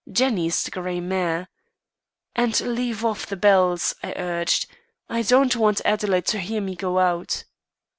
Jenny is the grey mare. 'And leave off the bells,' I urged. 'I don't want Adelaide to hear me go out.